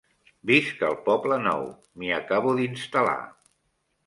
Visc al Poblenou. M'hi acabo d'instal·lar.